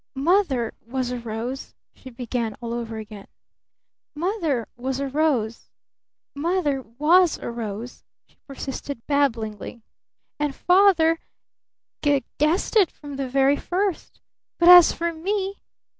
"Mother was a rose," she began all over again. "Mother was a rose. Mother was a rose," she persisted babblingly. "And Father g guessed it from the very first! But as for me